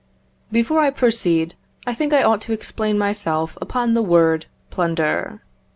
Before I proceed, I think I ought to explain myself upon the word plunder.